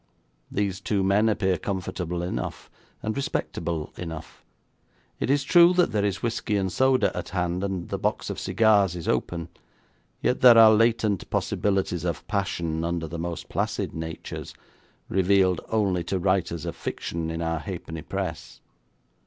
These two men appear comfortable enough, and respectable enough. It is true that there is whisky and soda at hand, and the box of cigars is open, yet there are latent possibilities of passion under the most placid natures, revealed only to writers of fiction in our halfpenny Press.